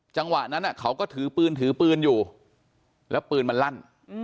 จังหวะนั้นเขาก็ถือปืนถือปืนอยู่แล้วปืนมันลั่น